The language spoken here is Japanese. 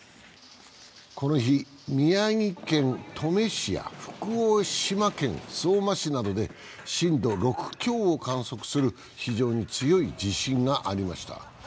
この日、宮城県登米市や福島県相馬市などで震度６強を観測する非常に強い地震がありました。